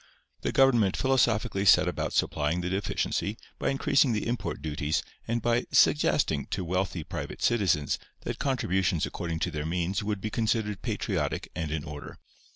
The government philosophically set about supplying the deficiency by increasing the import duties and by "suggesting" to wealthy private citizens that contributions according to their means would be considered patriotic and in order.